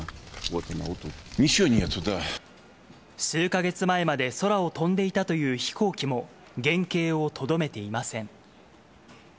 数か月前まで空を飛んでいたという飛行機も、原形をとどめていません。